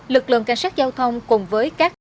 lực lượng cảnh sát giao thông cùng với các cộng đồng